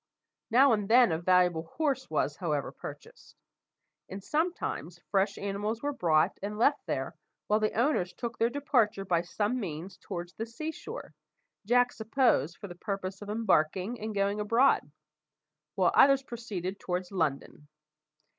Now and then a valuable horse was, however, purchased; and sometimes fresh animals were brought and left there while the owners took their departure by some means towards the sea shore, Jack supposed for the purpose of embarking and going abroad; while others proceeded towards London.